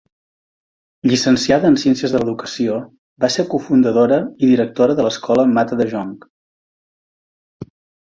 Llicenciada en Ciències de l'Educació, va ser cofundadora i directora de l’escola Mata de Jonc.